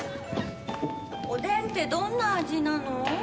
おでんってどんな味なの？